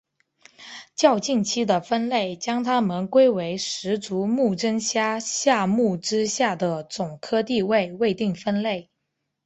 较近期的分类将它们归为十足目真虾下目之下的总科地位未定分类。